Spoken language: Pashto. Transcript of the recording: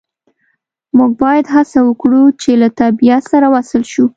موږ باید هڅه وکړو چې له طبیعت سره وصل شو